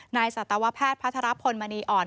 สัตวแพทย์พัทรพลมณีอ่อน